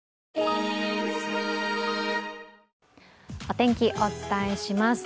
お天気、お伝えします。